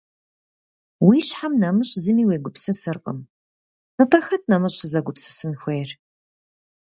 -Уи щхьэм нэмыщӏ зыми уегупсысыркъым. – Нтӏэ хэт нэмыщӏ сызэгупсысын хуейр?